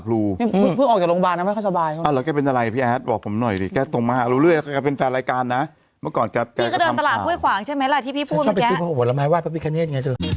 โรงบาลนะไม่เค้าสบายแล้วก็เป็นอะไรพี่แอดบอกผมหน่อยดิแกตรงมาเรื่อยเป็นแฟนรายการนะเมื่อก่อนแกก็ขึ้นค่ะคุยผ่านใช่ไหมล่ะที่พี่พูดว่าแอด